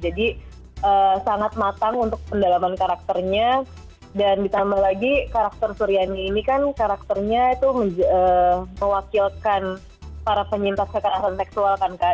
jadi sangat matang untuk pendalaman karakternya dan ditambah lagi karakter suriyani ini kan karakternya itu mewakilkan para penyintas kekerasan seksual kan kak